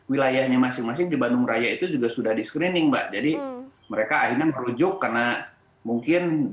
wilayahnya masing masing di bandung raya itu juga sudah di screening mbak jadi mereka akhirnya merujuk karena mungkin